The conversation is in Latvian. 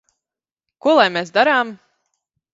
Ko lai mēs darām?